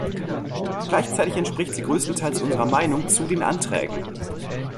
Gleichzeitig entspricht sie größtenteils unserer Meinung zu den Anträgen.